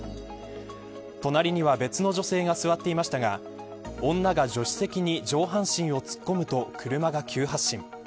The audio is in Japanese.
隣には別の女性が座っていましたが女が助手席に上半身を突っ込むと車が急発進。